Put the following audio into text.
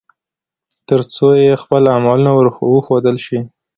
ترڅو يې خپل عملونه ور وښودل شي